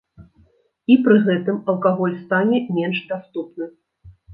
І пры гэтым алкаголь стане менш даступны.